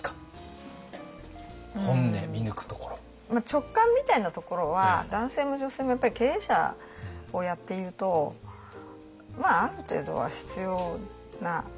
直感みたいなところは男性も女性もやっぱり経営者をやっているとまあある程度は必要な能力ですよね。